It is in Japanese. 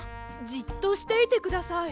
じっとしていてください。